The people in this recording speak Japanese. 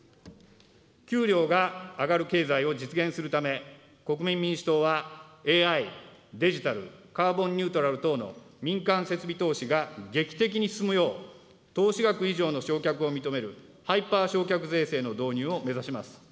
給料が上がる経済を実現するため、国民民主党は、ＡＩ、デジタル、カーボンニュートラル等の民間設備投資が劇的に進むよう、投資額以上の償却を認めるハイパー償却税制の導入を目指します。